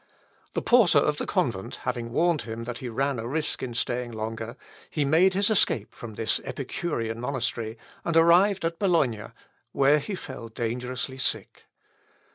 The porter of the convent having warned him that he ran a risk in staying longer, he made his escape from this epicurean monastery, and arrived at Bologna, where he fell dangerously sick.